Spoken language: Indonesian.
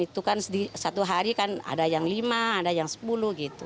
itu kan satu hari kan ada yang lima ada yang sepuluh gitu